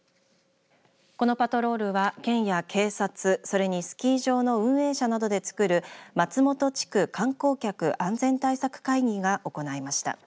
このパトロールは県や警察それにスキー場の運営社などでつくる松本地区観光客安全対策会議が行いました。